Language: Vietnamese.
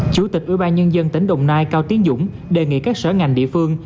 chủ tịch ủy ban nhân dân tỉnh đồng nai cao tiến dũng đề nghị các sở ngành địa phương